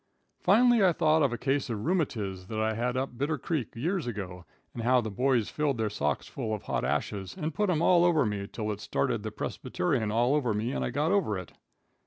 Finally I thought of a case of rheumatiz that I had up in Bitter Creek years ago, and how the boys filled their socks full of hot ashes and put 'em all over me till it started the persbyterian all over me and I got over it.